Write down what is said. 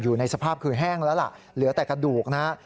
อยู่ในสภาพคือแห้งแล้วล่ะเหลือแต่กระดูกนะฮะ